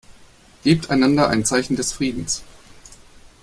Gebt einander ein Zeichen des Friedens.